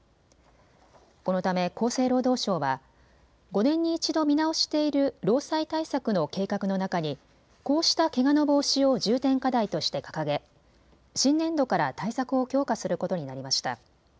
このため厚生労働省は５年に一度見直している労災対策の計画の中にこうしたけがの防止を重点課題として掲げ新年度から対策を強化することになりました。